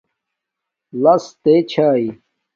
لسک تے چھاݵ